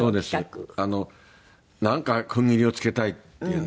「なんか区切りをつけたい」っていうんで。